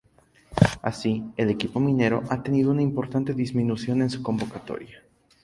Así, el equipo minero ha tenido una importante disminución en su convocatoria.